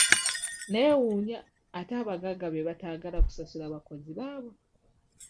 Neewuunya ate abagagga be bataagala kusasula bakozi baabwe.